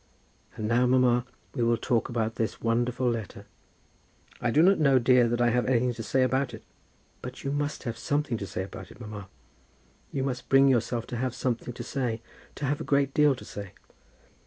"And now, mamma, we will talk about this wonderful letter." "I do not know, dear, that I have anything to say about it." "But you must have something to say about it, mamma. You must bring yourself to have something to say, to have a great deal to say."